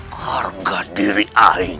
harga diri aku